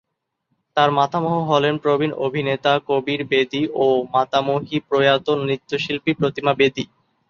তার মাতামহ হলেন প্রবীণ অভিনেতা কবির বেদী এবং মাতামহী প্রয়াত নৃত্যশিল্পী প্রতিমা বেদী।